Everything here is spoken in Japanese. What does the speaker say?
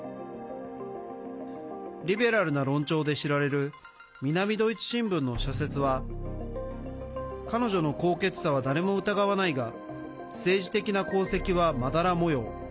リベラルな論調で知られる南ドイツ新聞の社説は彼女の高潔さは誰も疑わないが政治的な功績は、まだら模様。